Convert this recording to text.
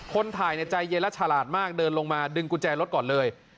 คนถ่ายใจเย็นและฉลาดมากเดินลงมาดึงกุญแจรถก่อนเลย